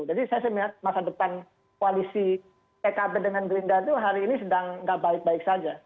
jadi saya sempat masa depan koalisi pkb dengan gerindra itu hari ini sedang nggak baik baik saja